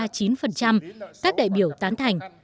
tám mươi hai ba mươi chín các đại biểu tán thành